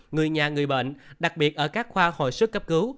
người nhà người bệnh đặc biệt ở các khoa hồi sức cấp cứu